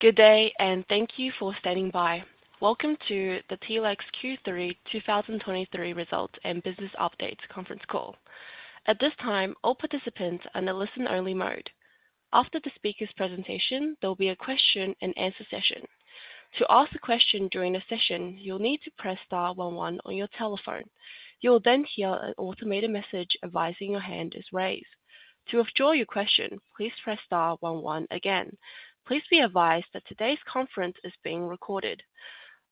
Good day, and thank you for standing by. Welcome to the Telix Q3 2023 Results and Business Update Conference Call. At this time, all participants are in a listen-only mode. After the speaker's presentation, there will be a question-and-answer session. To ask a question during the session, you'll need to press star one one on your telephone. You will then hear an automated message advising your hand is raised. To withdraw your question, please press star one one again. Please be advised that today's conference is being recorded.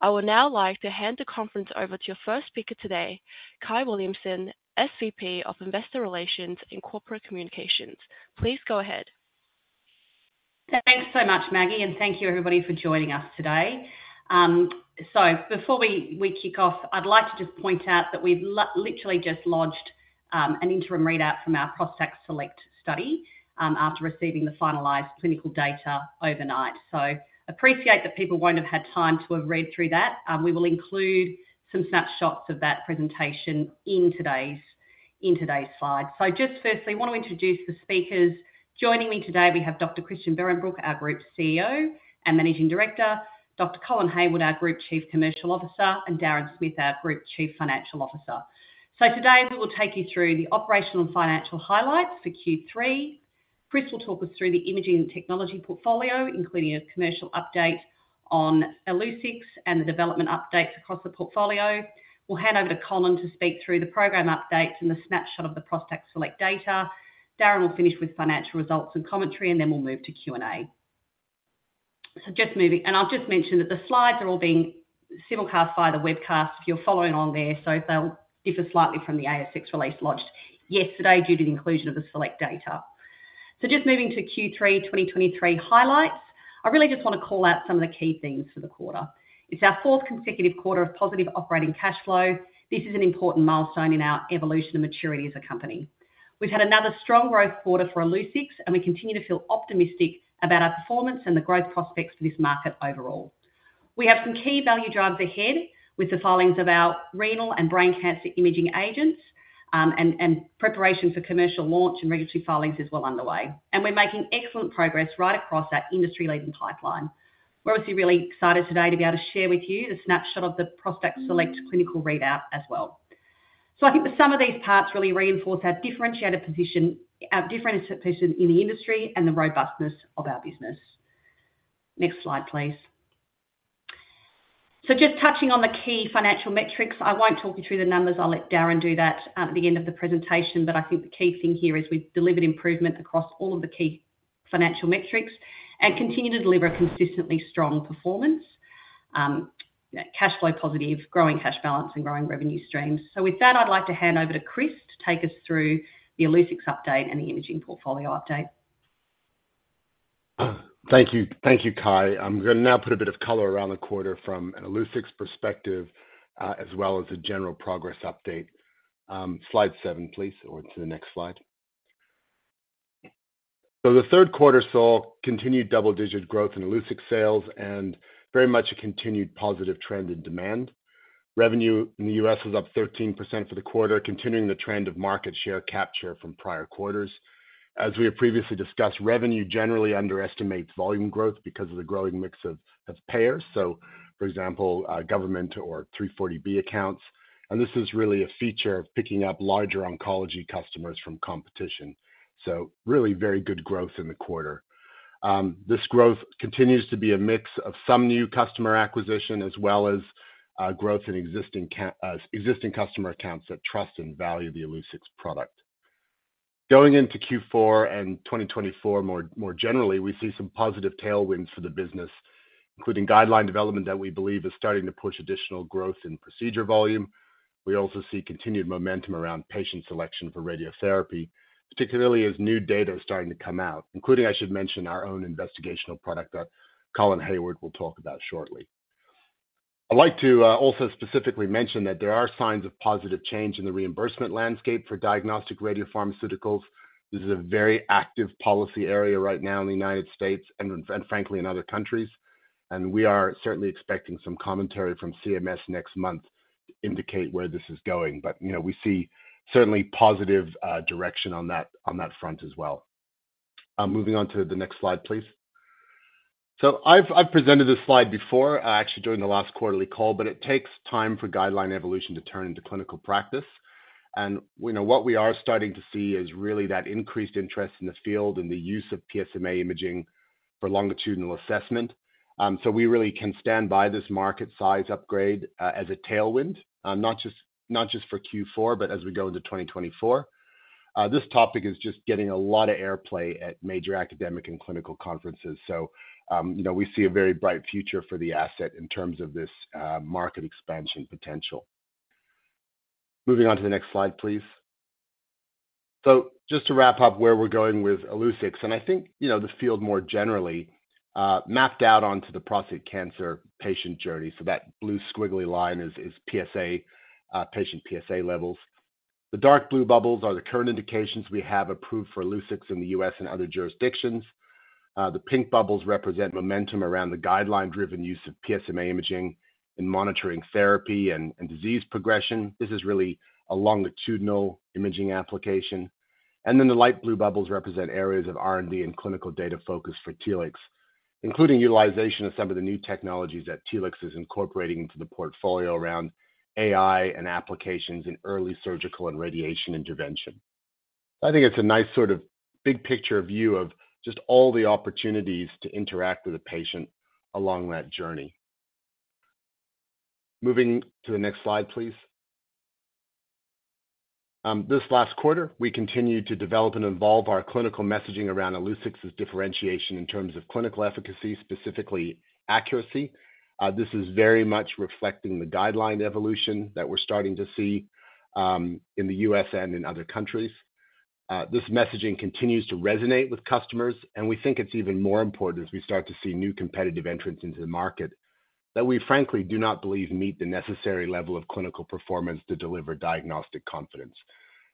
I would now like to hand the conference over to your first speaker today, Kyahn Williamson, SVP of Investor Relations and Corporate Communications. Please go ahead. Thanks so much, Maggie, and thank you everybody for joining us today. So before we kick off, I'd like to just point out that we've literally just launched an interim readout from our ProstACT SELECT study after receiving the finalized clinical data overnight. So appreciate that people won't have had time to have read through that. We will include some snapshots of that presentation in today's slides. So just firstly, want to introduce the speakers. Joining me today, we have Dr. Christian Behrenbruch, our Group CEO and Managing Director, Dr. Colin Hayward, our Group Chief Commercial Officer, and Darren Smith, our Group Chief Financial Officer. So today, we will take you through the operational and financial highlights for Q3. Chris will talk us through the imaging and technology portfolio, including a commercial update on Illuccix and the development updates across the portfolio. We'll hand over to Colin to speak through the program updates and the snapshot of the ProstACT SELECT data. Darren will finish with financial results and commentary, and then we'll move to Q&A. So just moving... And I'll just mention that the slides are all being simulcast via the webcast if you're following on there, so they'll differ slightly from the ASX release launched yesterday due to the inclusion of the select data. So just moving to Q3 2023 highlights, I really just want to call out some of the key themes for the quarter. It's our fourth consecutive quarter of positive operating cash flow. This is an important milestone in our evolution and maturity as a company. We've had another strong growth quarter for Illuccix, and we continue to feel optimistic about our performance and the growth prospects for this market overall. We have some key value drivers ahead with the filings of our renal and brain cancer imaging agents, and preparation for commercial launch and regulatory filings is well underway. We're making excellent progress right across our industry-leading pipeline. We're obviously really excited today to be able to share with you the snapshot of the ProstACT SELECT clinical readout as well. I think the sum of these parts really reinforce our differentiated position, our different position in the industry and the robustness of our business. Next slide, please. Just touching on the key financial metrics. I won't talk you through the numbers. I'll let Darren do that at the end of the presentation, but I think the key thing here is we've delivered improvement across all of the key financial metrics and continue to deliver a consistently strong performance, cash flow positive, growing cash balance, and growing revenue streams. So with that, I'd like to hand over to Chris to take us through the Illuccix update and the imaging portfolio update. Thank you. Thank you, Kyahn. I'm going to now put a bit of color around the quarter from an Illuccix perspective, as well as a general progress update. Slide 7, please, or to the next slide. So the third quarter saw continued double-digit growth in Illuccix sales and very much a continued positive trend in demand. Revenue in the U.S. is up 13% for the quarter, continuing the trend of market share capture from prior quarters. As we have previously discussed, revenue generally underestimates volume growth because of the growing mix of payers. So for example, government or 340B accounts, and this is really a feature of picking up larger oncology customers from competition. So really very good growth in the quarter. This growth continues to be a mix of some new customer acquisition as well as growth in existing count, existing customer accounts that trust and value the Illuccix product. Going into Q4 and 2024, more generally, we see some positive tailwinds for the business, including guideline development that we believe is starting to push additional growth in procedure volume. We also see continued momentum around patient selection for radiotherapy, particularly as new data is starting to come out, including, I should mention, our own investigational product that Colin Hayward will talk about shortly. I'd like to also specifically mention that there are signs of positive change in the reimbursement landscape for diagnostic radiopharmaceuticals. This is a very active policy area right now in the United States and frankly in other countries, and we are certainly expecting some commentary from CMS next month to indicate where this is going, but you know we see certainly positive direction on that front as well. Moving on to the next slide, please. So I've presented this slide before actually during the last quarterly call, but it takes time for guideline evolution to turn into clinical practice. And we know what we are starting to see is really that increased interest in the field and the use of PSMA imaging for longitudinal assessment. So we really can stand by this market size upgrade as a tailwind not just for Q4, but as we go into 2024. This topic is just getting a lot of airplay at major academic and clinical conferences. So, you know, we see a very bright future for the asset in terms of this, market expansion potential. Moving on to the next slide, please. So just to wrap up where we're going with Illuccix, and I think, you know, the field more generally, mapped out onto the prostate cancer patient journey. So that blue squiggly line is PSA, patient PSA levels. The dark blue bubbles are the current indications we have approved for Illuccix in the U.S. and other jurisdictions. The pink bubbles represent momentum around the guideline-driven use of PSMA imaging in monitoring therapy and disease progression. This is really a longitudinal imaging application.... And then the light blue bubbles represent areas of R&D and clinical data focus for Telix, including utilization of some of the new technologies that Telix is incorporating into the portfolio around AI and applications in early surgical and radiation intervention. I think it's a nice sort of big picture view of just all the opportunities to interact with the patient along that journey. Moving to the next slide, please. This last quarter, we continued to develop and evolve our clinical messaging around Illuccix's differentiation in terms of clinical efficacy, specifically accuracy. This is very much reflecting the guideline evolution that we're starting to see, in the U.S. and in other countries. This messaging continues to resonate with customers, and we think it's even more important as we start to see new competitive entrants into the market that we frankly do not believe meet the necessary level of clinical performance to deliver diagnostic confidence.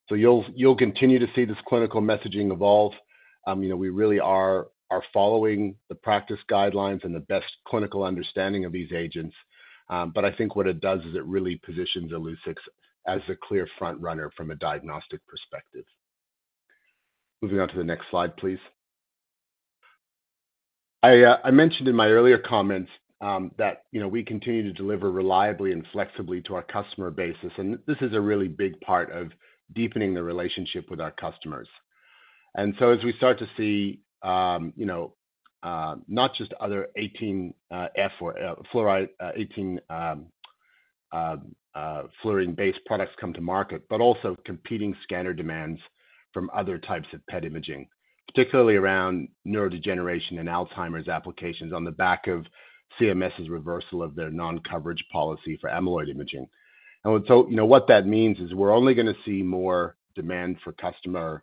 So you'll continue to see this clinical messaging evolve. You know, we really are following the practice guidelines and the best clinical understanding of these agents. But I think what it does is it really positions Illuccix as the clear front runner from a diagnostic perspective. Moving on to the next slide, please. I mentioned in my earlier comments that you know, we continue to deliver reliably and flexibly to our customer base, and this is a really big part of deepening the relationship with our customers. And so as we start to see, you know, not just other F-18 fluoride F-18 fluorine-based products come to market, but also competing scanner demands from other types of PET imaging, particularly around neurodegeneration and Alzheimer's applications, on the back of CMS's reversal of their non-coverage policy for amyloid imaging. And so, you know, what that means is we're only gonna see more demand for customer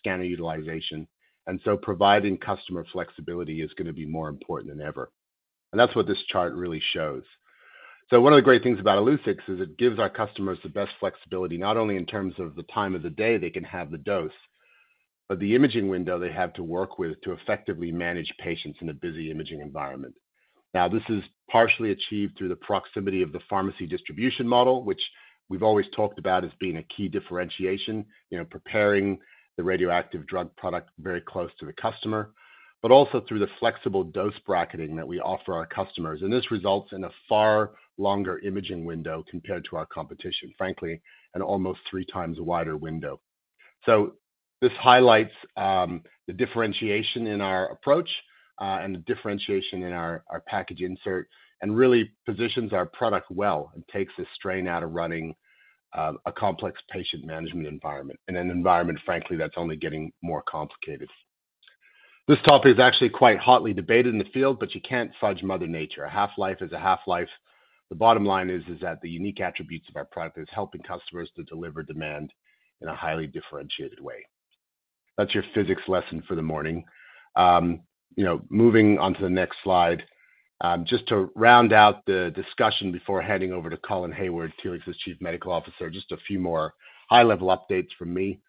scanner utilization, and so providing customer flexibility is gonna be more important than ever. And that's what this chart really shows. So one of the great things about Illuccix is it gives our customers the best flexibility, not only in terms of the time of the day they can have the dose, but the imaging window they have to work with to effectively manage patients in a busy imaging environment. Now, this is partially achieved through the proximity of the pharmacy distribution model, which we've always talked about as being a key differentiation, you know, preparing the radioactive drug product very close to the customer, but also through the flexible dose bracketing that we offer our customers. This results in a far longer imaging window compared to our competition, frankly, an almost three times wider window. This highlights the differentiation in our approach, and the differentiation in our package insert, and really positions our product well and takes the strain out of running a complex patient management environment, in an environment, frankly, that's only getting more complicated. This topic is actually quite hotly debated in the field, but you can't fudge mother nature. A half-life is a half-life. The bottom line is, is that the unique attributes of our product is helping customers to deliver demand in a highly differentiated way. That's your physics lesson for the morning. You know, moving on to the next slide. Just to round out the discussion before handing over to Colin Hayward, Telix's Chief Medical Officer, just a few more high-level updates from me.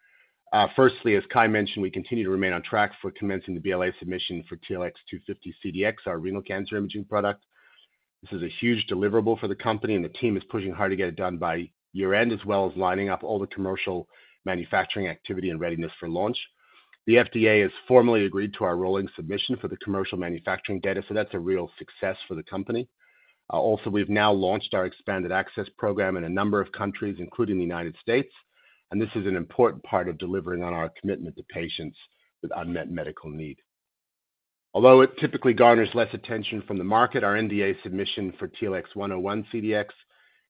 Firstly, as Kyahn mentioned, we continue to remain on track for commencing the BLA submission for TLX250-CDx, our renal cancer imaging product. This is a huge deliverable for the company, and the team is pushing hard to get it done by year-end, as well as lining up all the commercial manufacturing activity and readiness for launch. The FDA has formally agreed to our rolling submission for the commercial manufacturing data, so that's a real success for the company. Also, we've now launched our expanded access program in a number of countries, including the United States, and this is an important part of delivering on our commitment to patients with unmet medical needs. Although it typically garners less attention from the market, our NDA submission for TLX101-CDx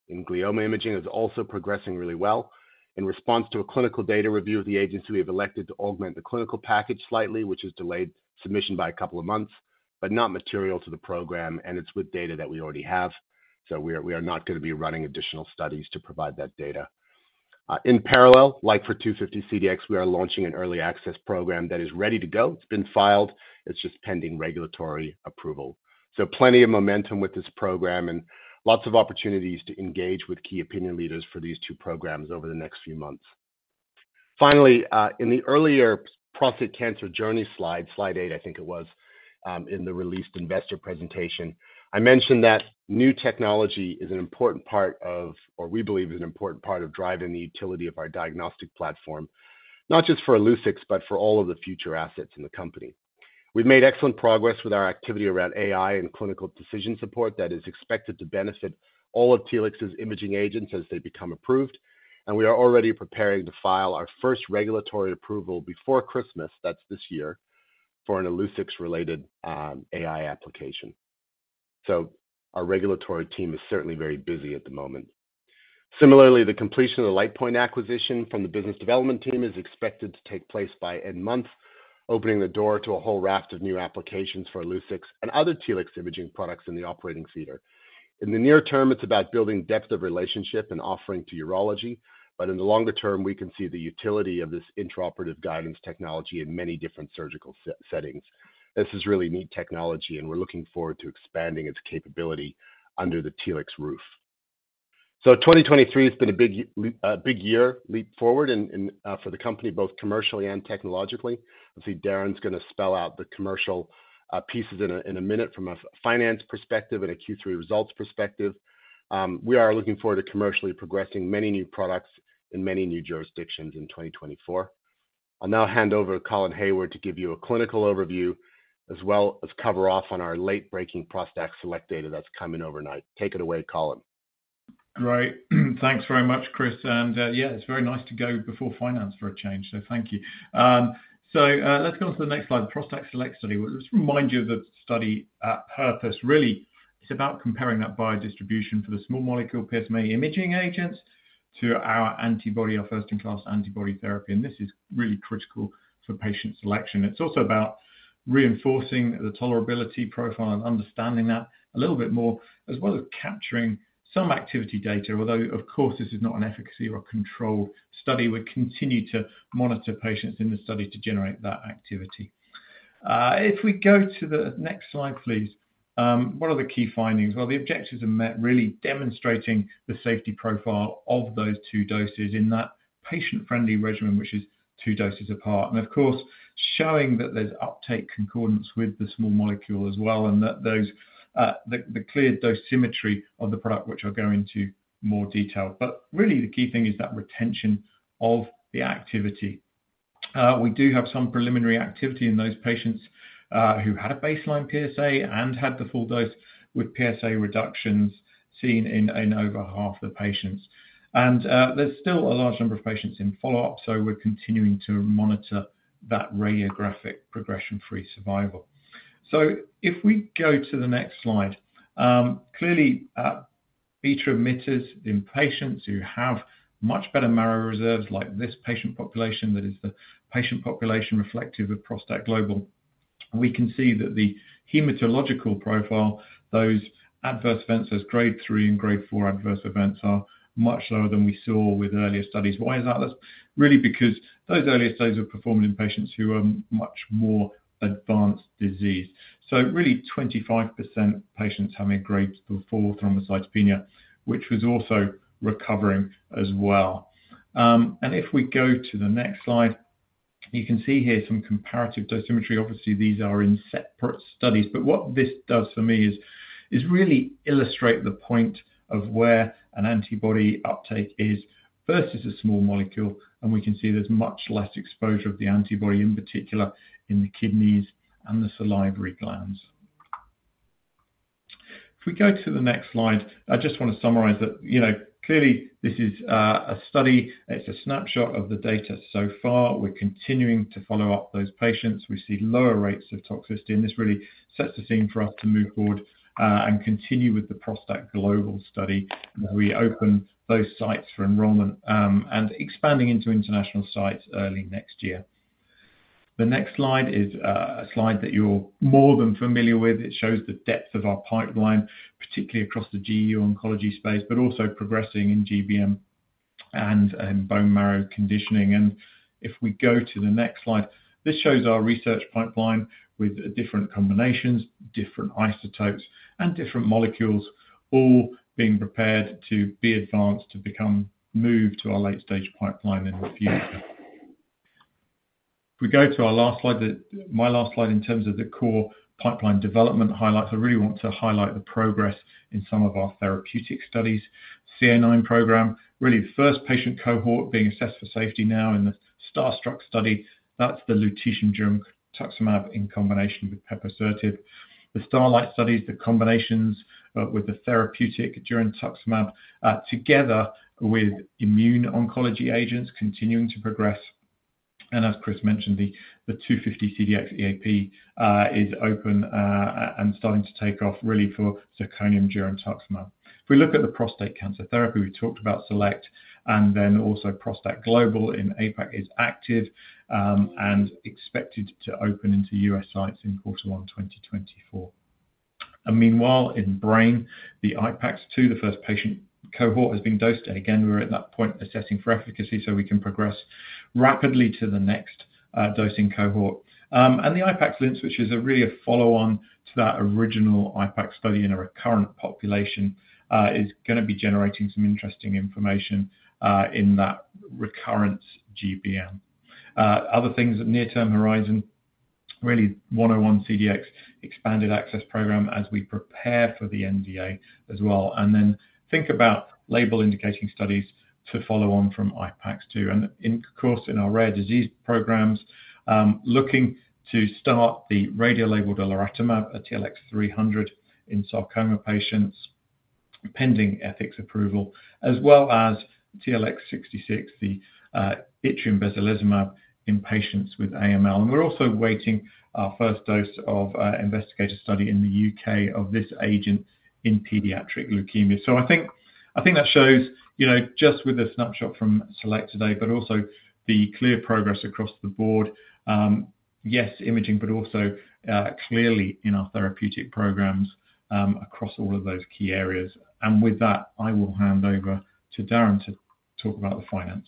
in glioma imaging is also progressing really well. In response to a clinical data review of the agency, we have elected to augment the clinical package slightly, which has delayed submission by a couple of months, but not material to the program, and it's with data that we already have. So we are not gonna be running additional studies to provide that data. In parallel, like for TLX250-CDx, we are launching an early access program that is ready to go. It's been filed. It's just pending regulatory approval. So plenty of momentum with this program and lots of opportunities to engage with key opinion leaders for these two programs over the next few months. Finally, in the earlier prostate cancer journey slide, slide 8, I think it was, in the released investor presentation, I mentioned that new technology is an important part of, or we believe is an important part of driving the utility of our diagnostic platform, not just for Illuccix, but for all of the future assets in the company. We've made excellent progress with our activity around AI and clinical decision support that is expected to benefit all of Telix's imaging agents as they become approved, and we are already preparing to file our first regulatory approval before Christmas, that's this year, for an Illuccix-related, AI application. So our regulatory team is certainly very busy at the moment. Similarly, the completion of the Lightpoint acquisition from the business development team is expected to take place by end month, opening the door to a whole raft of new applications for Illuccix and other Telix imaging products in the operating theater. In the near term, it's about building depth of relationship and offering to urology, but in the longer term, we can see the utility of this intraoperative guidance technology in many different surgical settings. This is really neat technology, and we're looking forward to expanding its capability under the Telix roof. So 2023 has been a big year leap forward and for the company, both commercially and technologically. I see Darren's gonna spell out the commercial pieces in a minute from a finance perspective and a Q3 results perspective. We are looking forward to commercially progressing many new products in many new jurisdictions in 2024. I'll now hand over to Colin Hayward to give you a clinical overview, as well as cover off on our late-breaking ProstACT SELECT data that's come in overnight. Take it away, Colin. Great. Thanks very much, Chris. And, yeah, it's very nice to go before finance for a change, so thank you. So, let's go on to the next slide, ProstACT SELECT study. Well, just to remind you of the study purpose. Really, it's about comparing that biodistribution for the small molecule PSMA imaging agents to our antibody, our first-in-class antibody therapy, and this is really critical for patient selection. It's also about reinforcing the tolerability profile and understanding that a little bit more, as well as capturing some activity data. Although, of course, this is not an efficacy or a control study, we continue to monitor patients in the study to generate that activity. If we go to the next slide, please. What are the key findings? Well, the objectives are met, really demonstrating the safety profile of those two doses in that patient-friendly regimen, which is two doses apart. And of course, showing that there's uptake concordance with the small molecule as well, and that those, the clear dosimetry of the product, which I'll go into more detail. But really the key thing is that retention of the activity. We do have some preliminary activity in those patients, who had a baseline PSA and had the full dose, with PSA reductions seen in over half the patients. And there's still a large number of patients in follow-up, so we're continuing to monitor that radiographic progression-free survival. So if we go to the next slide. Clearly, beta emitters in patients who have much better marrow reserves, like this patient population, that is the patient population reflective of ProstACT GLOBAL. We can see that the hematological profile, those adverse events as Grade 3 and Grade 4 adverse events, are much lower than we saw with earlier studies. Why is that? That's really because those earlier studies were performed in patients who were much more advanced disease. So really, 25% of patients had a Grade 4 thrombocytopenia, which was also recovering as well. And if we go to the next slide, you can see here some comparative dosimetry. Obviously, these are in separate studies, but what this does for me is really illustrate the point of where an antibody uptake is versus a small molecule, and we can see there's much less exposure of the antibody, in particular in the kidneys and the salivary glands. If we go to the next slide, I just wanna summarize that, you know, clearly this is a study, it's a snapshot of the data so far. We're continuing to follow up those patients. We see lower rates of toxicity, and this really sets the scene for us to move forward, and continue with the ProstACT GLOBAL study. We opened those sites for enrollment, and expanding into international sites early next year. The next slide is a slide that you're more than familiar with. It shows the depth of our pipeline, particularly across the GU oncology space, but also progressing in GBM and in bone marrow conditioning. And if we go to the next slide, this shows our research pipeline with different combinations, different isotopes, and different molecules, all being prepared to be advanced, to become moved to our late-stage pipeline in the future. If we go to our last slide, my last slide, in terms of the core pipeline development highlights, I really want to highlight the progress in some of our therapeutic studies. CAIX program, really the first patient cohort being assessed for safety now in the STARSTRUCK study. That's the lutetium girentuximab in combination with pembrolizumab. The STARLITE studies, the combinations, with the therapeutic girentuximab, together with immune oncology agents continuing to progress. And as Chris mentioned, the TLX250-CDx EAP is open, and starting to take off really for zirconium girentuximab. If we look at the prostate cancer therapy, we talked about SELECT, and then also ProstACT GLOBAL in APAC is active, and expected to open into US sites in quarter one, 2024. And meanwhile, in brain, the IPAX-2, the first patient cohort, has been dosed, and again, we're at that point assessing for efficacy so we can progress rapidly to the next, dosing cohort. And the IPAX-Linz, which is really a follow-on to that original IPAX study in a recurrent population, is gonna be generating some interesting information, in that recurrent GBM. Other things at near-term horizon, really 101-CDx expanded access program as we prepare for the NDA as well, and then think about label indicating studies to follow on from IPAX-2. And of course, in our rare disease programs, looking to start the radiolabeled elotuzumab, TLX300 in sarcoma patients, pending ethics approval, as well as TLX66, the, yttrium besilesomab in patients with AML. We're also awaiting our first dose of investigator study in the UK of this agent in pediatric leukemia. So I think, I think that shows, you know, just with a snapshot from SELECT today, but also the clear progress across the board, yes, imaging, but also, clearly in our therapeutic programs, across all of those key areas. And with that, I will hand over to Darren to talk about the finance.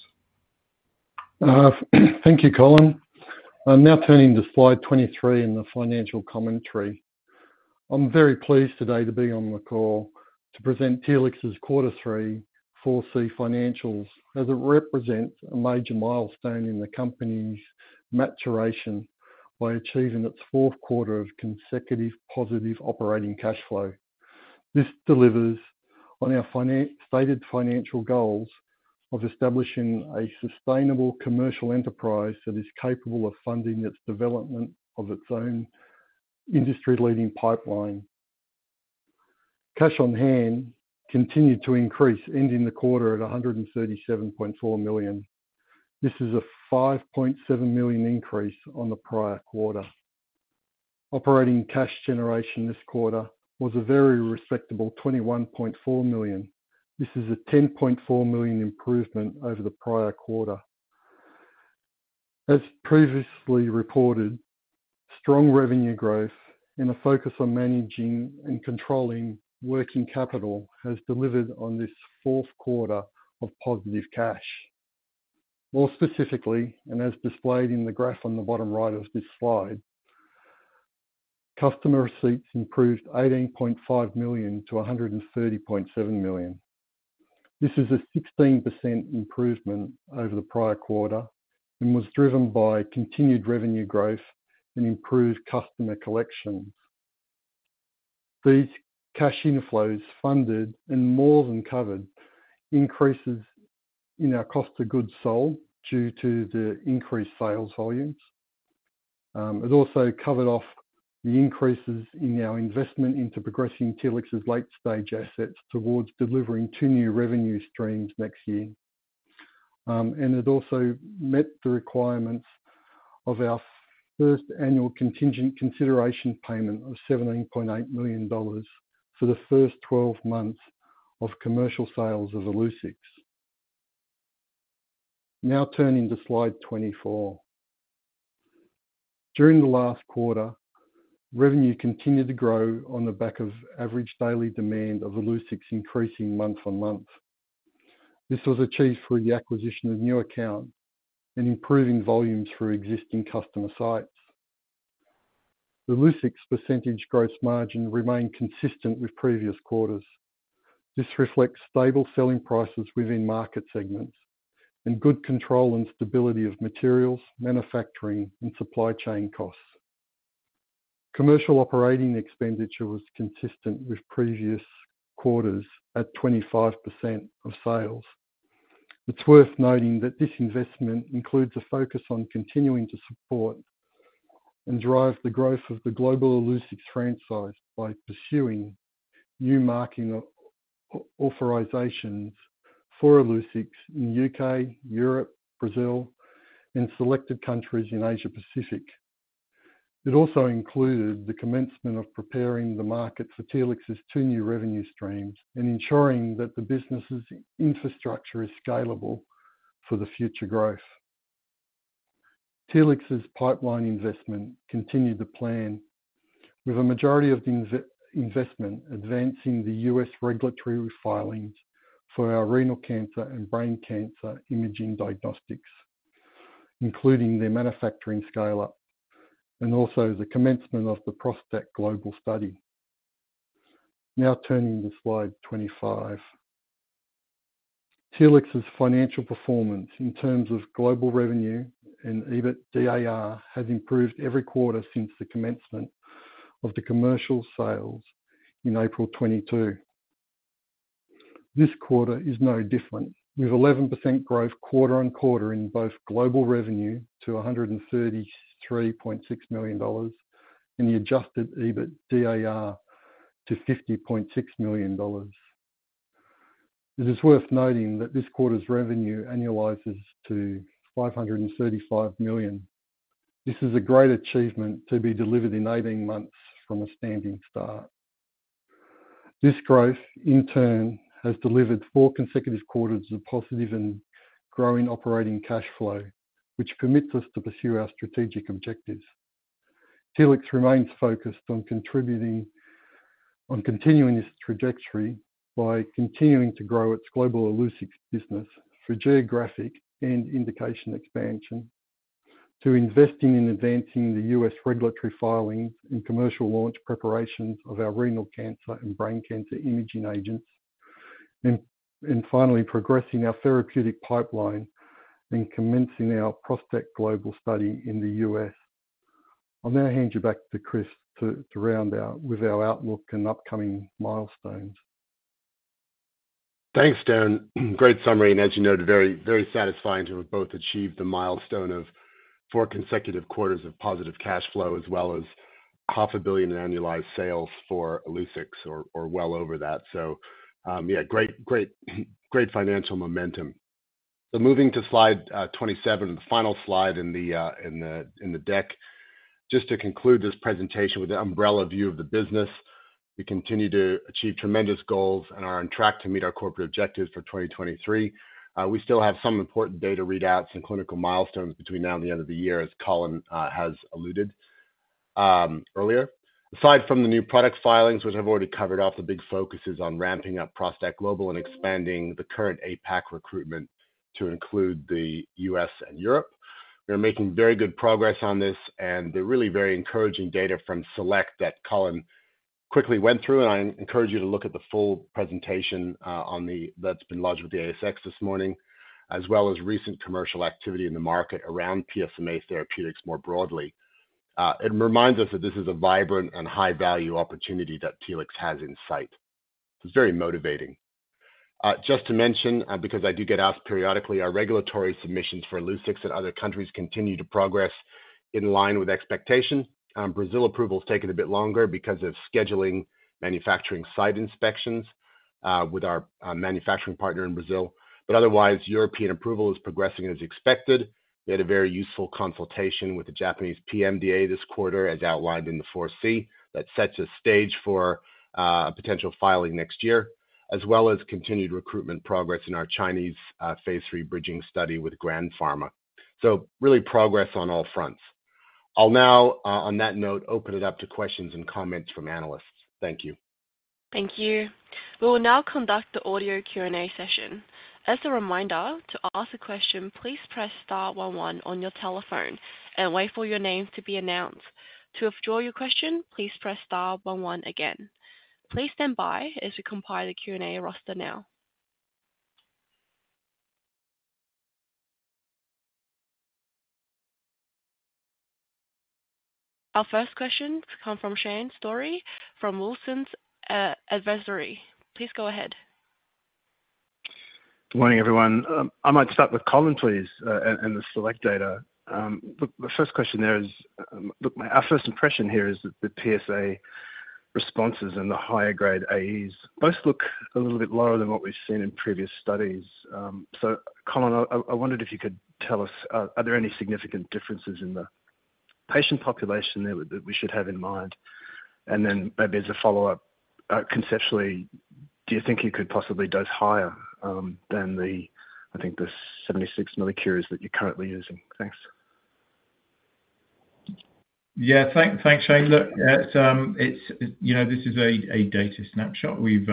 Thank you, Colin. I'm now turning to slide 23 in the financial commentary. I'm very pleased today to be on the call to present Telix's quarter 3 4C financials, as it represents a major milestone in the company's maturation by achieving its fourth quarter of consecutive positive operating cash flow. This delivers on our stated financial goals of establishing a sustainable commercial enterprise that is capable of funding its development of its own industry-leading pipeline. Cash on hand continued to increase, ending the quarter at 137.4 million. This is a 5.7 million increase on the prior quarter. Operating cash generation this quarter was a very respectable 21.4 million. This is a 10.4 million improvement over the prior quarter. As previously reported, strong revenue growth and a focus on managing and controlling working capital has delivered on this fourth quarter of positive cash. More specifically, and as displayed in the graph on the bottom right of this slide, customer receipts improved $18.5 million to $130.7 million. This is a 16% improvement over the prior quarter, and was driven by continued revenue growth and improved customer collections. These cash inflows funded and more than covered increases in our cost of goods sold due to the increased sales volumes. It also covered off the increases in our investment into progressing Telix's late-stage assets towards delivering two new revenue streams next year. And it also met the requirements of our first annual contingent consideration payment of $17.8 million for the first twelve months of commercial sales of Illuccix. Now turning to slide 24. During the last quarter, revenue continued to grow on the back of average daily demand of Illuccix increasing month-on-month. This was achieved through the acquisition of new accounts and improving volumes through existing customer sites. Illuccix percentage growth margin remained consistent with previous quarters. This reflects stable selling prices within market segments and good control and stability of materials, manufacturing, and supply chain costs. Commercial operating expenditure was consistent with previous quarters at 25% of sales. It's worth noting that this investment includes a focus on continuing to support and drive the growth of the global Illuccix franchise by pursuing new marketing authorizations for Illuccix in UK, Europe, Brazil, and selected countries in Asia Pacific. It also included the commencement of preparing the market for Telix's two new revenue streams and ensuring that the business's infrastructure is scalable for the future growth. Telix's pipeline investment continued the plan, with a majority of the investment advancing the U.S. regulatory filings for our renal cancer and brain cancer imaging diagnostics, including their manufacturing scale-up, and also the commencement of the ProstACT Global Study. Now turning to slide 25. Telix's financial performance in terms of global revenue and EBITDA has improved every quarter since the commencement of the commercial sales in April 2022. This quarter is no different, with 11% growth quarter-on-quarter in both global revenue to 133.6 million dollars, and the adjusted EBITDA to 50.6 million dollars. It is worth noting that this quarter's revenue annualizes to 535 million. This is a great achievement to be delivered in 18 months from a standing start. This growth, in turn, has delivered 4 consecutive quarters of positive and growing operating cash flow, which permits us to pursue our strategic objectives. Telix remains focused on contributing, on continuing this trajectory by continuing to grow its global Illuccix business through geographic and indication expansion, to investing in advancing the U.S. regulatory filings and commercial launch preparations of our renal cancer and brain cancer imaging agents. And, and finally progressing our therapeutic pipeline and commencing our ProstACT global study in the U.S. I'll now hand you back to Chris to, to round out with our outlook and upcoming milestones. Thanks, Dan. Great summary, and as you noted, very, very satisfying to have both achieved the milestone of 4 consecutive quarters of positive cash flow, as well as $500 million in annualized sales for Illuccix or well over that. So, yeah, great, great, great financial momentum. So moving to slide 27, the final slide in the deck. Just to conclude this presentation with an umbrella view of the business, we continue to achieve tremendous goals and are on track to meet our corporate objectives for 2023. We still have some important data readouts and clinical milestones between now and the end of the year, as Colin has alluded earlier. Aside from the new product filings, which I've already covered off, the big focus is on ramping up ProstACT GLOBAL and expanding the current APAC recruitment to include the US and Europe. We are making very good progress on this, and the really very encouraging data from ProstACT SELECT that Colin quickly went through, and I encourage you to look at the full presentation that's been lodged with the ASX this morning, as well as recent commercial activity in the market around PSMA therapeutics more broadly. It reminds us that this is a vibrant and high-value opportunity that Telix has in sight. It's very motivating. Just to mention, because I do get asked periodically, our regulatory submissions for Illuccix in other countries continue to progress in line with expectation. Brazil approval has taken a bit longer because of scheduling manufacturing site inspections with our manufacturing partner in Brazil, but otherwise, European approval is progressing as expected. We had a very useful consultation with the Japanese PMDA this quarter, as outlined in the 4C. That sets a stage for potential filing next year, as well as continued recruitment progress in our Chinese phase III bridging study with Grand Pharma. So really progress on all fronts. I'll now on that note, open it up to questions and comments from analysts. Thank you. Thank you. We will now conduct the audio Q&A session. As a reminder, to ask a question, please press star one one on your telephone and wait for your name to be announced. To withdraw your question, please press star one one again. Please stand by as we compile the Q&A roster now. Our first question comes from Shane Storey from Wilsons Advisory. Please go ahead. Good morning, everyone. I might start with Colin, please, and the Select data. The first question there is... Look, our first impression here is that the PSA responses and the higher grade AEs both look a little bit lower than what we've seen in previous studies. So, Colin, I wondered if you could tell us, are there any significant differences in the patient population there that we should have in mind? And then maybe as a follow-up, conceptually, do you think you could possibly dose higher than the, I think, the 76 millicuries that you're currently using? Thanks. Yeah, thanks, Shane. Look, it's, you know, this is a data snapshot. We've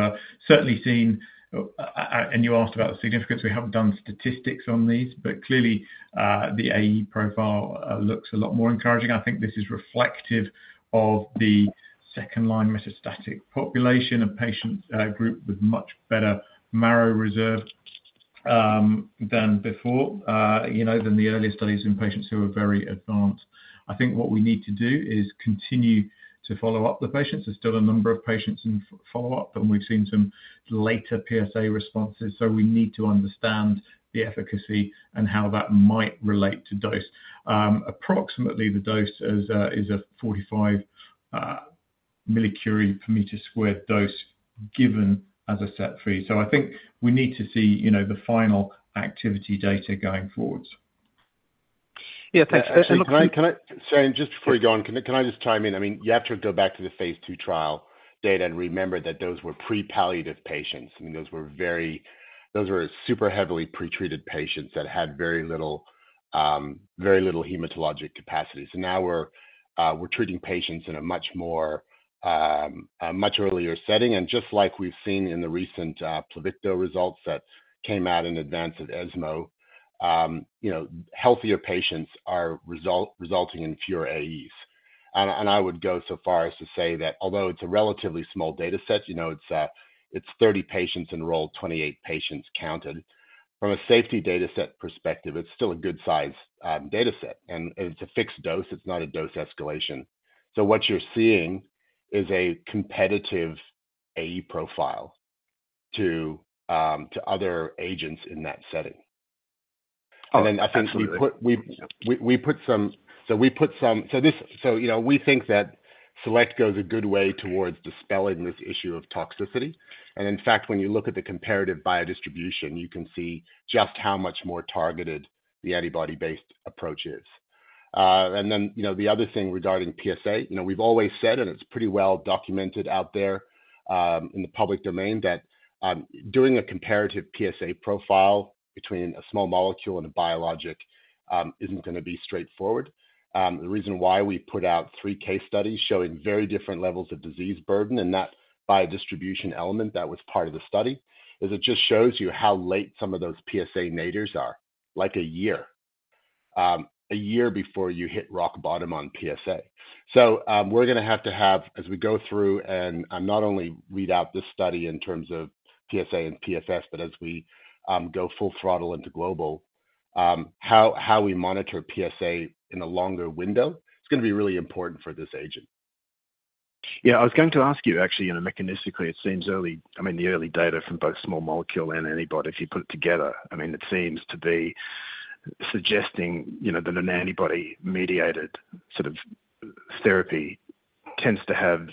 certainly seen. You asked about the significance. We haven't done statistics on these, but clearly, the AE profile looks a lot more encouraging. I think this is reflective of the second line metastatic population of patients group with much better marrow reserve than before, you know, than the earlier studies in patients who were very advanced. I think what we need to do is continue to follow up the patients. There's still a number of patients in follow-up, and we've seen some later PSA responses, so we need to understand the efficacy and how that might relate to dose. Approximately, the dose is a 45 millicurie per m² dose given as a set free. I think we need to see, you know, the final activity data going forward. Yeah, thanks. Can I, can I, Shane, just before you go on, can I, can I just chime in? I mean, you have to go back to the phase II trial data and remember that those were pre-palliative patients. I mean, those were very, those were super heavily pretreated patients that had very little, very little hematologic capacity. So now we're, we're treating patients in a much more, a much earlier setting, and just like we've seen in the recent, Pluvicto results that came out in advance at ESMO, you know, healthier patients are result, resulting in fewer AEs. And, and I would go so far as to say that although it's a relatively small data set, you know, it's, it's 30 patients enrolled, 28 patients counted. From a safety data set perspective, it's still a good size, data set, and it's a fixed dose. It's not a dose escalation. So what you're seeing is a competitive AE profile to, to other agents in that setting. Oh, absolutely. So, you know, we think that Select goes a good way towards dispelling this issue of toxicity, and in fact, when you look at the comparative biodistribution, you can see just how much more targeted the antibody-based approach is. And then, you know, the other thing regarding PSA, you know, we've always said, and it's pretty well documented out there, in the public domain, that doing a comparative PSA profile between a small molecule and a biologic, isn't gonna be straightforward. The reason why we put out three case studies showing very different levels of disease burden and that biodistribution element that was part of the study is it just shows you how late some of those PSA nadirs are, like a year, a year before you hit rock bottom on PSA. So, we're gonna have to have, as we go through and and not only read out this study in terms of PSA and PFS, but as we go full throttle into global, how we monitor PSA in a longer window, it's gonna be really important for this agent. Yeah, I was going to ask you, actually, you know, mechanistically, it seems early... I mean, the early data from both small molecule and antibody, if you put it together, I mean, it seems to be suggesting, you know, that an antibody-mediated sort of therapy tends to have,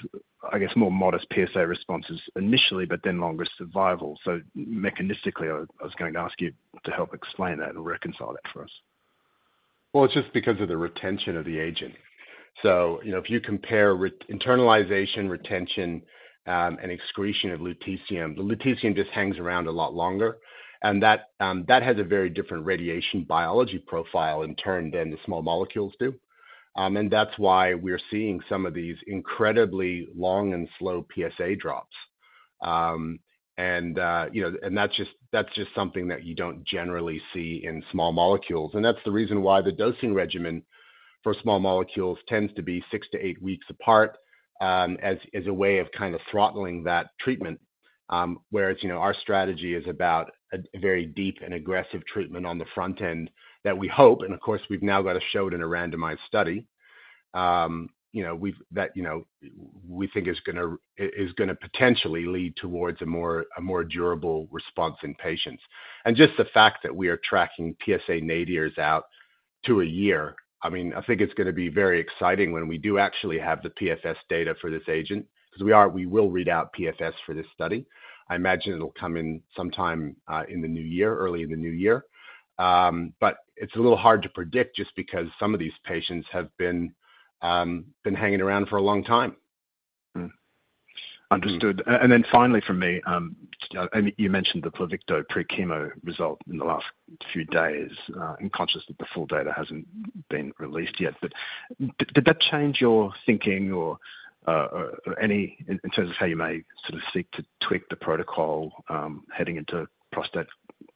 I guess, more modest PSA responses initially, but then longer survival. So mechanistically, I, I was going to ask you to help explain that and reconcile that for us. Well, it's just because of the retention of the agent. So, you know, if you compare re-internalization, retention, and excretion of lutetium, the lutetium just hangs around a lot longer, and that, that has a very different radiation biology profile in turn than the small molecules do. And that's why we're seeing some of these incredibly long and slow PSA drops. And, you know, and that's just, that's just something that you don't generally see in small molecules, and that's the reason why the dosing regimen for small molecules tends to be 6-8 weeks apart, as a way of kind of throttling that treatment.... Whereas, you know, our strategy is about a very deep and aggressive treatment on the front end that we hope and, of course, we've now got to show it in a randomized study. You know, that you know we think is gonna potentially lead towards a more durable response in patients. And just the fact that we are tracking PSA nadirs out to a year, I mean, I think it's gonna be very exciting when we do actually have the PFS data for this agent, because we will read out PFS for this study. I imagine it'll come in sometime in the new year, early in the new year. But it's a little hard to predict just because some of these patients have been hanging around for a long time. Mm-hmm. Understood. And then finally from me, and you mentioned the Pluvicto pre-chemo result in the last few days. I'm conscious that the full data hasn't been released yet. But did that change your thinking or any in terms of how you may sort of seek to tweak the protocol, heading into ProstACT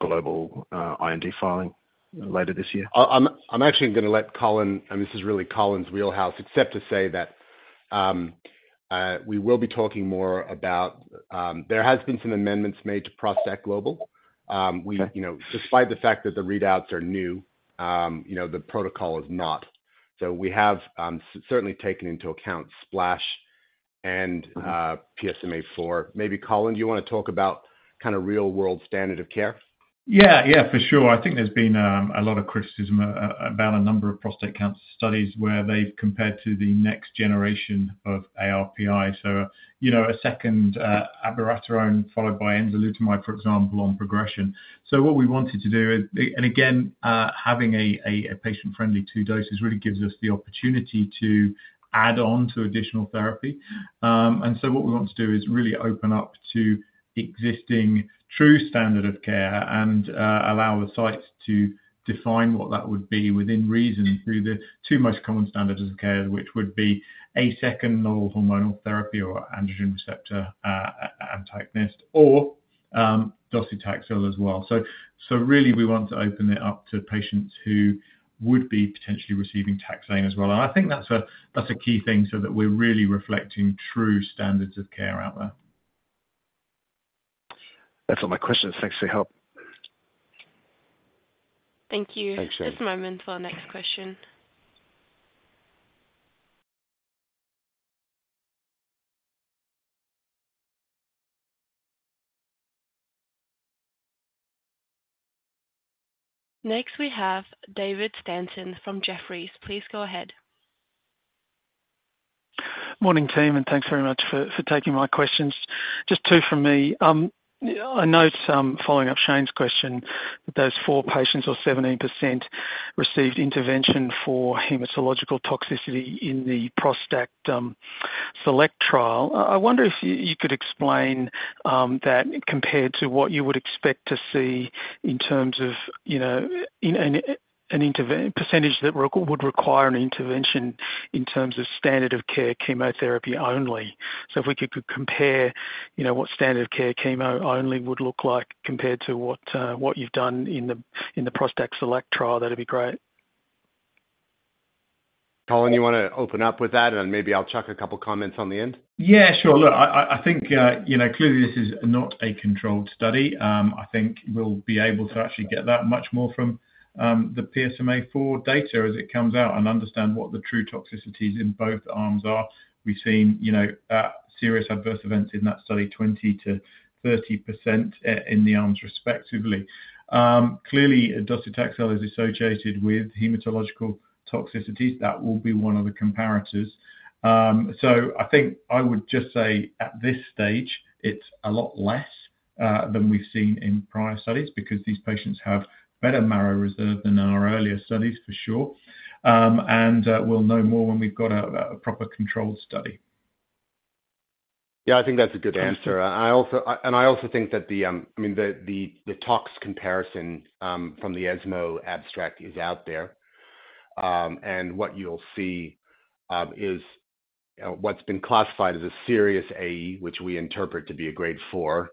GLOBAL, IND filing later this year? I'm actually gonna let Colin, and this is really Colin's wheelhouse, except to say that we will be talking more about... There has been some amendments made to ProstACT GLOBAL. Okay. We, you know, despite the fact that the readouts are new, you know, the protocol is not. So we have certainly taken into account SPLASH and PSMAfore. Maybe, Colin, do you want to talk about kind of real-world standard of care? Yeah, yeah, for sure. I think there's been a lot of criticism about a number of prostate cancer studies where they've compared to the next generation of ARPI. So, you know, a second abiraterone, followed by enzalutamide, for example, on progression. So what we wanted to do is... And again, having a patient-friendly two doses, really gives us the opportunity to add on to additional therapy. And so what we want to do is really open up to existing true standard of care and allow the sites to define what that would be, within reason, through the two most common standards of care, which would be a second level hormonal therapy or androgen receptor antagonist or docetaxel as well. So really we want to open it up to patients who would be potentially receiving taxane as well. I think that's a key thing so that we're really reflecting true standards of care out there. That's all my questions. Thanks for your help. Thank you. Thanks, Shane. Just a moment for our next question. Next, we have David Stanton from Jefferies. Please go ahead. Morning, team, and thanks very much for taking my questions. Just two from me. I note some following up Shane's question, that those 4 patients or 17% received intervention for hematological toxicity in the ProstACT SELECT trial. I wonder if you could explain that compared to what you would expect to see in terms of, you know, in an intervention percentage that would require an intervention in terms of standard of care, chemotherapy only. So if we could compare, you know, what standard of care chemo only would look like, compared to what you've done in the ProstACT SELECT trial, that'd be great. Colin, you want to open up with that, and then maybe I'll chuck a couple of comments on the end? Yeah, sure. Look, I think, you know, clearly this is not a controlled study. I think we'll be able to actually get that much more from the PSMA-4 data as it comes out and understand what the true toxicities in both arms are. We've seen, you know, serious adverse events in that study, 20%-30% in the arms, respectively. Clearly, docetaxel is associated with hematological toxicities. That will be one of the comparators. So I think I would just say at this stage, it's a lot less than we've seen in prior studies, because these patients have better marrow reserve than our earlier studies, for sure. And we'll know more when we've got a proper controlled study. Yeah, I think that's a good answer. I also think that the, I mean, the tox comparison from the ESMO abstract is out there. And what you'll see is what's been classified as a serious AE, which we interpret to be a grade four,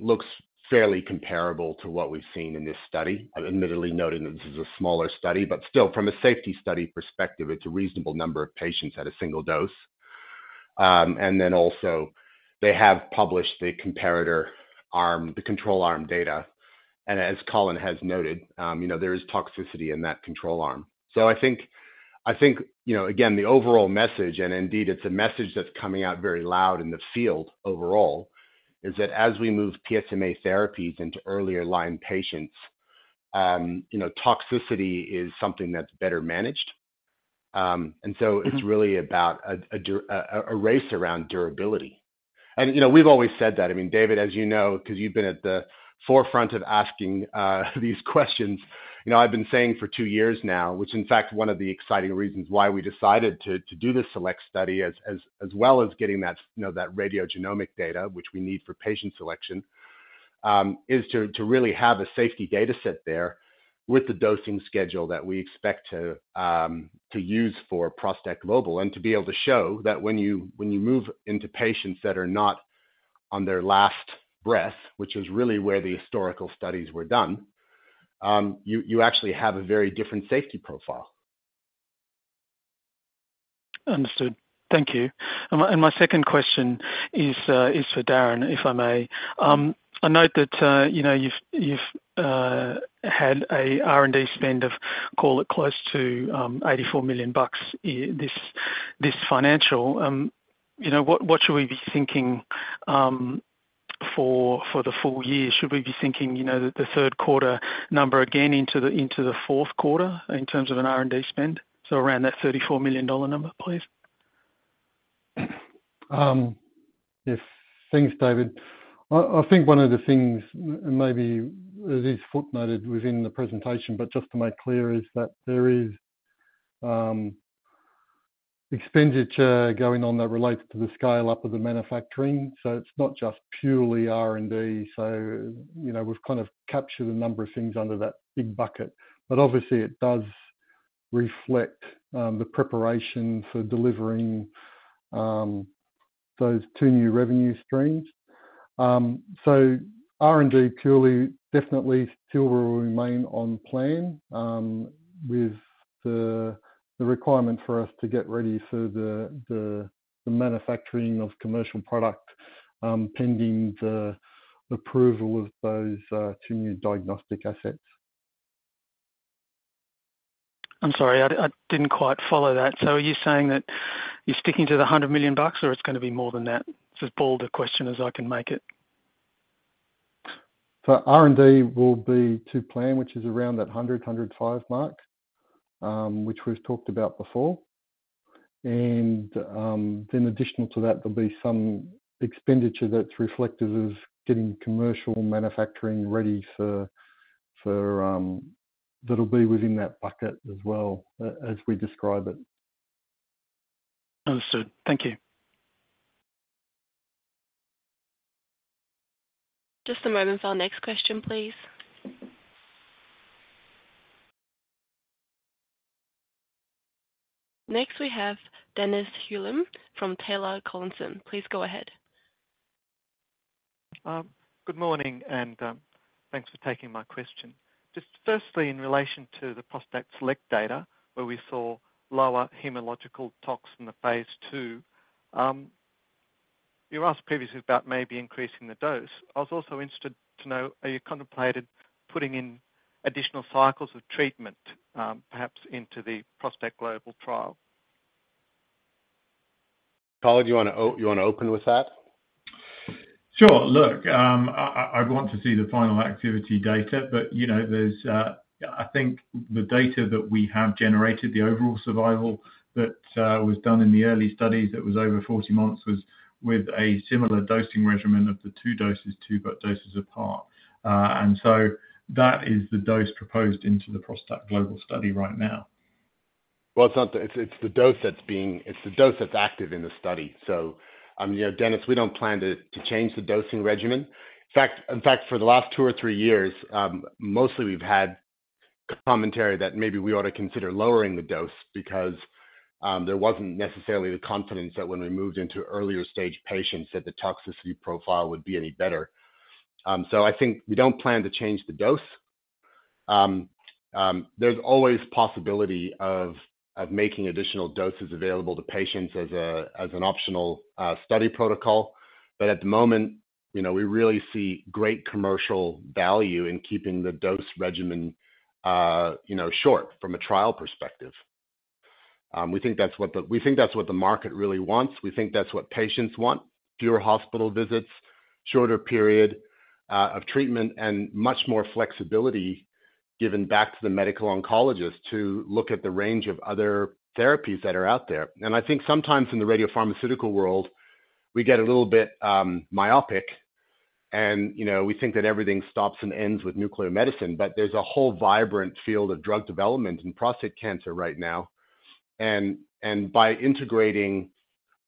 looks fairly comparable to what we've seen in this study. Admittedly, noting that this is a smaller study, but still, from a safety study perspective, it's a reasonable number of patients at a single dose. And then also, they have published the comparator arm, the control arm data, and as Colin has noted, you know, there is toxicity in that control arm. So I think, you know, again, the overall message, and indeed, it's a message that's coming out very loud in the field overall, is that as we move PSMA therapies into earlier line patients, you know, toxicity is something that's better managed. And so- Mm-hmm.... it's really about a race around durability. And, you know, we've always said that. I mean, David, as you know, because you've been at the forefront of asking these questions, you know, I've been saying for two years now, which in fact, one of the exciting reasons why we decided to do this SELECT study, as well as getting that, you know, that radiogenomic data, which we need for patient selection, is to really have a safety data set there with the dosing schedule that we expect to use for ProstACT GLOBAL, and to be able to show that when you move into patients that are not on their last breath, which is really where the historical studies were done, you actually have a very different safety profile. ...Understood. Thank you. And my, and my second question is, is for Darren, if I may. I note that, you know, you've, you've, had a R&D spend of, call it, close to, eighty-four million bucks i- this, this financial. You know, what, what should we be thinking, for, for the full year? Should we be thinking, you know, the, the third quarter number again into the, into the fourth quarter in terms of an R&D spend, so around that thirty-four million number, please? Yes. Thanks, David. I think one of the things maybe it is footnoted within the presentation, but just to make clear, is that there is expenditure going on that relates to the scale-up of the manufacturing. So it's not just purely R&D. So, you know, we've kind of captured a number of things under that big bucket. But obviously it does reflect the preparation for delivering those two new revenue streams. So R&D, purely, definitely still will remain on plan with the requirement for us to get ready for the manufacturing of commercial product pending the approval of those two new diagnostic assets. I'm sorry, I didn't quite follow that. So are you saying that you're sticking to the $100 million or it's gonna be more than that? It's as bold a question as I can make it. R&D will be to plan, which is around that 100-105 mark, which we've talked about before. In addition to that, there'll be some expenditure that's reflective of getting commercial manufacturing ready for... That'll be within that bucket as well, as we describe it. Understood. Thank you. Just a moment for our next question, please. Next, we have Dennis Hulme from Taylor Collison. Please go ahead. Good morning, and thanks for taking my question. Just firstly, in relation to the ProstACT SELECT data, where we saw lower hematological tox in the phase II, you were asked previously about maybe increasing the dose. I was also interested to know, are you contemplated putting in additional cycles of treatment, perhaps into the ProstACT GLOBAL trial? Colin, do you wanna open with that? Sure. Look, I'd want to see the final activity data, but, you know, there's I think the data that we have generated, the overall survival that was done in the early studies, that was over 40 months, was with a similar dosing regimen of the two doses, two but doses apart. and so that is the dose proposed into the ProstACT GLOBAL study right now. It's the dose that's active in the study. So, you know, Dennis, we don't plan to change the dosing regimen. In fact, for the last two or three years, mostly we've had commentary that maybe we ought to consider lowering the dose because there wasn't necessarily the confidence that when we moved into earlier stage patients, that the toxicity profile would be any better. So I think we don't plan to change the dose. There's always possibility of making additional doses available to patients as an optional study protocol, but at the moment, you know, we really see great commercial value in keeping the dose regimen short from a trial perspective. We think that's what the market really wants. We think that's what patients want. Fewer hospital visits, shorter period of treatment, and much more flexibility given back to the medical oncologist to look at the range of other therapies that are out there. And I think sometimes in the radiopharmaceutical world, we get a little bit myopic and, you know, we think that everything stops and ends with nuclear medicine, but there's a whole vibrant field of drug development in prostate cancer right now. And by integrating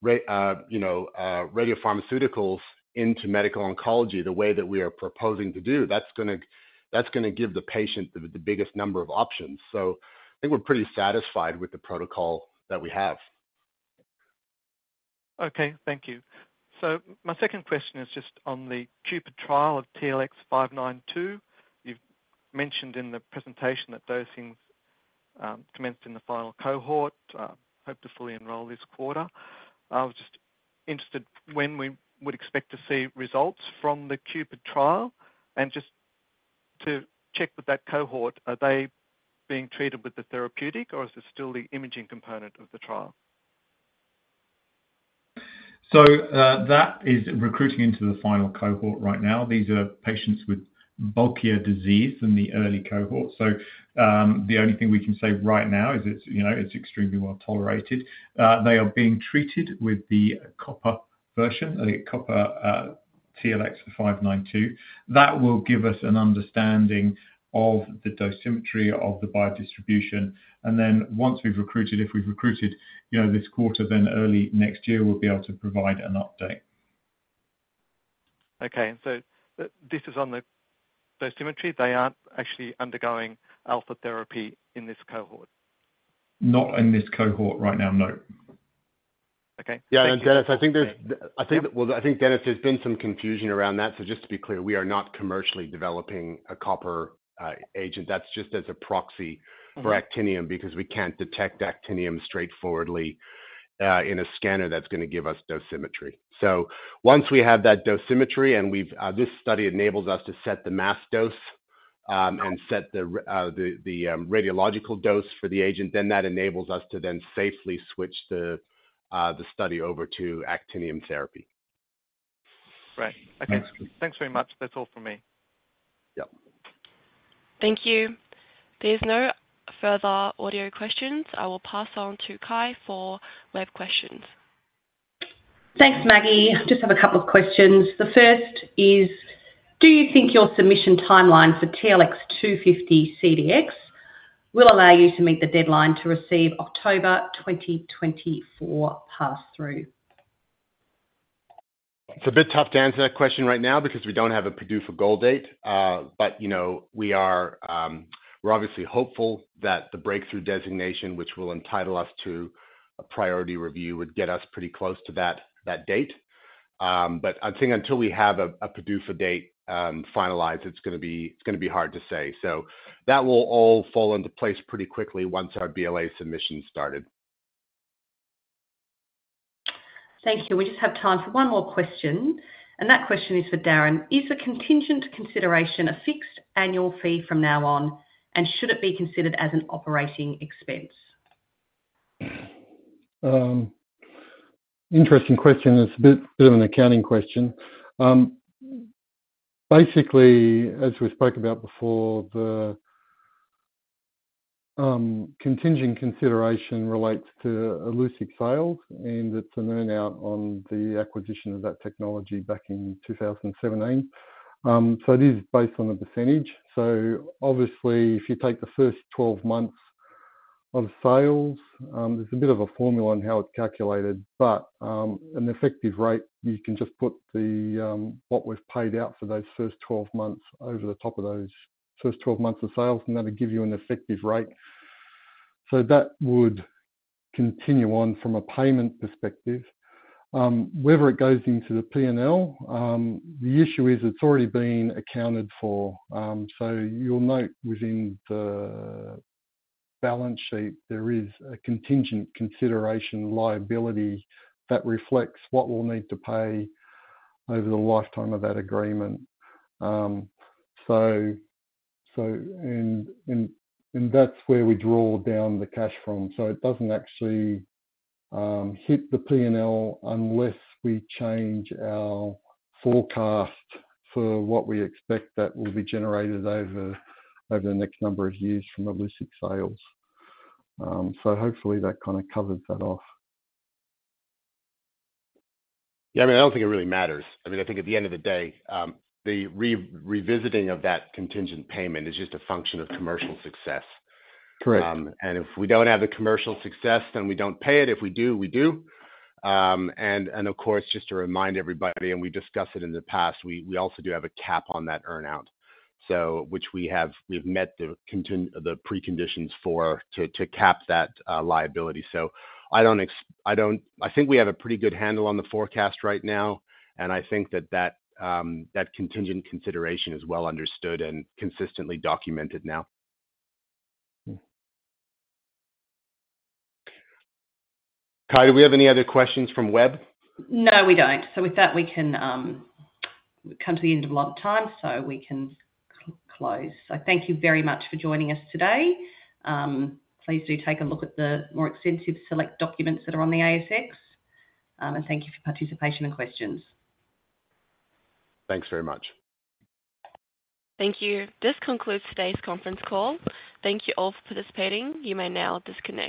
radiopharmaceuticals into medical oncology, the way that we are proposing to do, that's gonna give the patient the biggest number of options. So I think we're pretty satisfied with the protocol that we have. Okay, thank you. So my second question is just on the CUPID trial of TLX592. You've mentioned in the presentation that dosings commenced in the final cohort, hope to fully enroll this quarter. I was just interested when we would expect to see results from the CUPID trial, and just to check with that cohort, are they being treated with the therapeutic, or is this still the imaging component of the trial? That is recruiting into the final cohort right now. These are patients with bulkier disease than the early cohort. The only thing we can say right now is it's, you know, it's extremely well tolerated. They are being treated with the copper version, the copper, TLX592. That will give us an understanding of the dosimetry of the biodistribution. Then once we've recruited, if we've recruited, you know, this quarter, then early next year, we'll be able to provide an update. Okay. So this is on the dosimetry. They aren't actually undergoing alpha therapy in this cohort? Not in this cohort right now, no. ... Yeah, and Dennis, I think there's been some confusion around that. So just to be clear, we are not commercially developing a copper agent. That's just as a proxy for actinium, because we can't detect actinium straightforwardly in a scanner that's gonna give us dosimetry. So once we have that dosimetry, and we've, this study enables us to set the mass dose, and set the radiological dose for the agent, then that enables us to then safely switch the study over to actinium therapy. Right. Okay. Thanks very much. That's all from me. Yep. Thank you. There's no further audio questions. I will pass on to Kyahn for web questions. Thanks, Maggie. Just have a couple of questions. The first is: Do you think your submission timeline for TLX250-CDx will allow you to meet the deadline to receive October 2024 pass-through? It's a bit tough to answer that question right now because we don't have a PDUFA goal date. But, you know, we are, we're obviously hopeful that the breakthrough designation, which will entitle us to a priority review, would get us pretty close to that, that date. But I think until we have a, a PDUFA date, finalized, it's gonna be, it's gonna be hard to say. So that will all fall into place pretty quickly once our BLA submission's started. Thank you. We just have time for one more question, and that question is for Darren. Is the contingent consideration a fixed annual fee from now on, and should it be considered as an operating expense? Interesting question. It's a bit of an accounting question. Basically, as we spoke about before, the contingent consideration relates to Illuccix sales, and it's an earn-out on the acquisition of that technology back in 2017. So it is based on a percentage. So obviously, if you take the first 12 months of sales, there's a bit of a formula on how it's calculated, but an effective rate, you can just put what we've paid out for those first 12 months over the top of those first 12 months of sales, and that'll give you an effective rate. So that would continue on from a payment perspective. Whether it goes into the P&L, the issue is it's already been accounted for. So you'll note within the balance sheet, there is a contingent consideration liability that reflects what we'll need to pay over the lifetime of that agreement. So that's where we draw down the cash from. So it doesn't actually hit the P&L unless we change our forecast for what we expect that will be generated over the next number of years from Illuccix sales. So hopefully that kinda covers that off. Yeah, I mean, I don't think it really matters. I mean, I think at the end of the day, the revisiting of that contingent payment is just a function of commercial success. Correct. And if we don't have the commercial success, then we don't pay it. If we do, we do. Of course, just to remind everybody, and we discussed it in the past, we also do have a cap on that earn-out, so which we've met the preconditions for, to cap that liability. So I think we have a pretty good handle on the forecast right now, and I think that contingent consideration is well understood and consistently documented now. Kai, do we have any other questions from web? No, we don't. So with that, we can, we've come to the end of allotted time, so we can close. So thank you very much for joining us today. Please do take a look at the more extensive select documents that are on the ASX, and thank you for your participation and questions. Thanks very much. Thank you. This concludes today's conference call. Thank you all for participating. You may now disconnect.